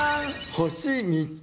星３つ。